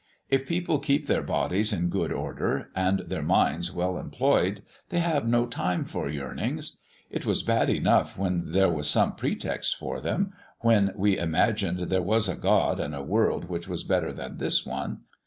If people keep their bodies in good order and their minds well employed, they have no time for yearnings. It was bad enough when there was some pretext for them; when we imagined there was a God and a world which was better than this one.